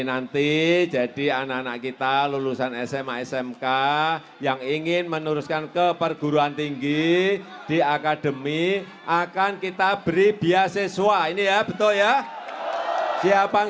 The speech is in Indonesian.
nanti kita tanggal tujuh belas april datang ke tps berbondong bondong